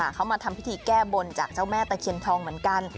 เขามาทำพิธีแก้บนจากเจ้าแม่ตะเคียนทองเหมือนกัน